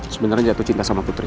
sebenarnya jatuh cinta sama putri